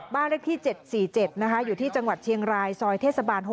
บ้านเลขที่๗๔๗นะคะอยู่ที่จังหวัดเชียงรายซอยเทศบาล๖